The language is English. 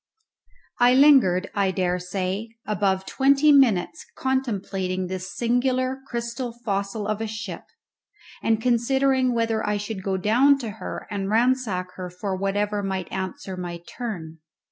I lingered, I daresay, above twenty minutes contemplating this singular crystal fossil of a ship, and considering whether I should go down to her and ransack her for whatever might answer my turn.